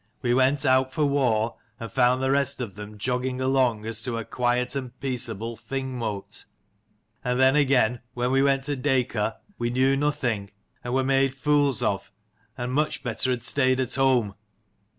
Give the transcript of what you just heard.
We went out for war, and found the rest of them jogging along as to a quiet and peaceable Thing mote. And then again when we went to Dacor we knew nothing, and were but made fools of, and much better had stayed at home.